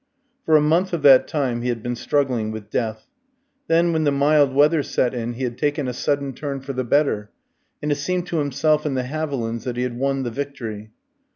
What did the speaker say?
For a month of that time he had been struggling with death. Then, when the mild weather set in, he had taken a sudden turn for the better, and it seemed to himself and the Havilands that he had won the victory.